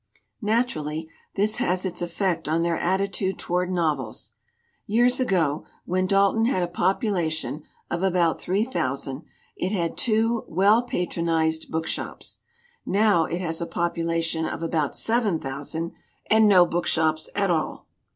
"Naturally, this has its effect on their attitude toward novels. Years ago, when Dalton had a population of about three thousand, it had two well patronized bookshops. Now it has a popu lation of about seven thousand and no bookshops at all!